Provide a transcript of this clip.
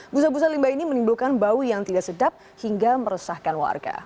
busa busa limbah ini menimbulkan bau yang tidak sedap hingga meresahkan warga